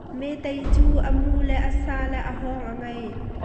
Metei cu a mu le a sa le a hawng a ngei.